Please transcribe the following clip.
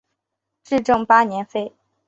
至正八年废。